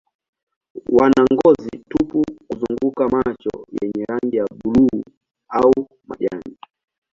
Wana ngozi tupu kuzunguka macho yenye rangi ya buluu au majani.